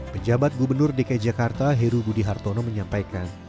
pejabat gubernur dki jakarta heru budi hartono menyampaikan